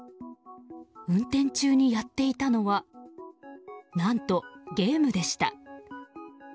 運転中にやっていたのは何と、ゲームでした。